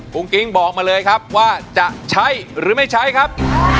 คุณกิ๊งบอกมาเลยครับว่าจะใช้หรือไม่ใช้ครับ